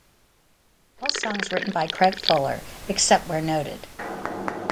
All songs written by Craig Fuller, except where noted.